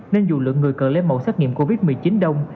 nên dù lượng người cần lấy mẫu xét nghiệm covid một mươi chín đông